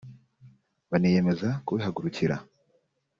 baniyemeza kubihagurukira